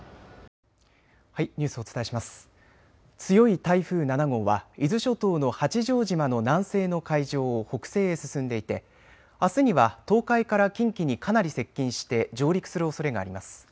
強い台風７号は伊豆諸島の八丈島の南西の海上を北西へ進んでいてあすには東海から近畿にかなり接近して上陸するおそれがあります。